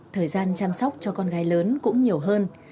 thời gian chăm sóc cho con gái lớn cũng nhiều hơn